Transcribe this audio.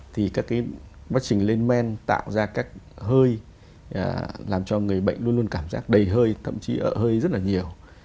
thì các cái quá trình lên men tạo ra các hơi làm cho người bệnh luôn luôn cảm giác đầy hơi thậm chí ở hơi rất là nhiều